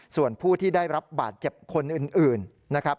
ส่วนผู้ที่ได้รับบาดเจ็บคนอื่นนะครับ